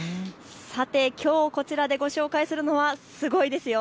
きょう、こちらでご紹介するのは、すごいですよ。